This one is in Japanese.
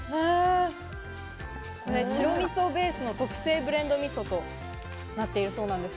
白みそベースの特製ブレンドみそとなっているそうです。